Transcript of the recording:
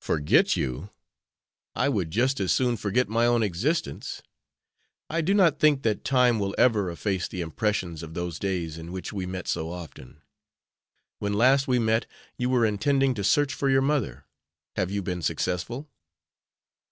"Forget you! I would just as soon forget my own existence. I do not think that time will ever efface the impressions of those days in which we met so often. When last we met you were intending to search for your mother. Have you been successful?"